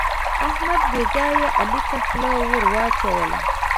احمد بې ځایه علي ته خوله ور واچوله.